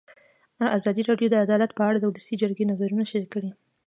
ازادي راډیو د عدالت په اړه د ولسي جرګې نظرونه شریک کړي.